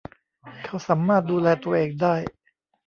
เขาสามารถดูแลตัวเองได้